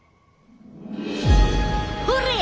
ほれ！